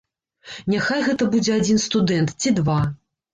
Няхай гэта будзе адзін студэнт ці два!